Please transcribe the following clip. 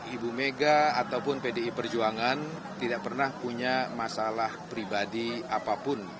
ibu mega ataupun pdi perjuangan tidak pernah punya masalah pribadi apapun